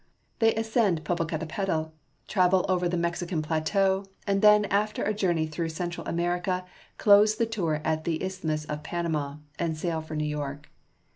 They ascend Popocatepetl, travel over the Mexican plateau, and then, after a journey through Central America, close the tour at the Isthmus of Panama, and sail for New York.